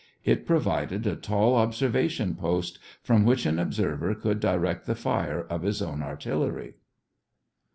It provided a tall observation post from which an observer could direct the fire of his own artillery.